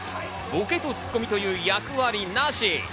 ボケとツッコミという役割なし。